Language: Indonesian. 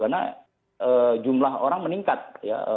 karena jumlah orang meningkat ya